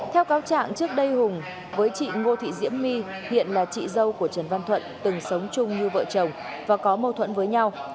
theo cáo trạng trước đây hùng với chị ngô thị diễm my hiện là chị dâu của trần văn thuận từng sống chung như vợ chồng và có mâu thuẫn với nhau